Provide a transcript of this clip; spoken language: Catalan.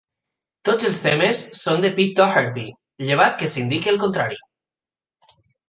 Tots els temes són de Pete Doherty, llevat que s'indiqui el contrari.